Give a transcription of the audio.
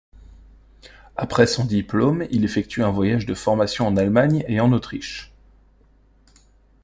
Après son diplôme, il effectue un voyage de formation en Allemagne et en Autriche.